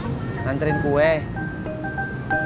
ayo gue anterin ke rumah sakit